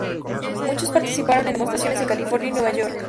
Muchos participaron en demostraciones en California y Nueva York.